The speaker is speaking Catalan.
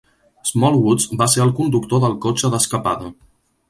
Smallwoods va ser el conductor del cotxe d'escapada.